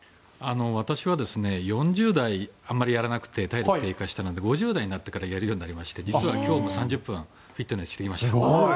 私は４０代あまりやらなくて体力が低下したので５０代になってからやるようになりまして実は今日も３０分フィットネスしてきました。